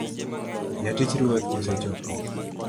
Jatich ruoth osechopo